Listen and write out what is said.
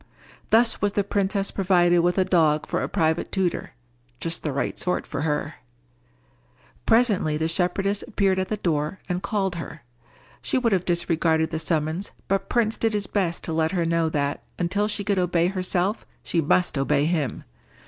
Thus was the princess provided with a dog for a private tutor—just the right sort for her. Presently the shepherdess appeared at the door and called her. She would have disregarded the summons, but Prince did his best to let her know that, until she could obey herself, she must obey him.